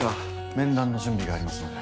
面談の準備がありますので。